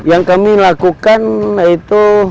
yang kami lakukan itu